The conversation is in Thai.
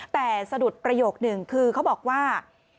แต่สะดุดประโยคนึงคือเขาบอกว่า